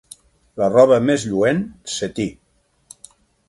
La roba més lluent, setí.